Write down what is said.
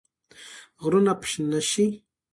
غرونه به شنه شي.